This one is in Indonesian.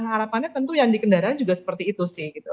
harapannya tentu yang di kendaraan juga seperti itu sih